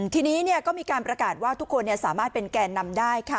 ทีนี้ก็มีการประกาศว่าทุกคนสามารถเป็นแก่นำได้ค่ะ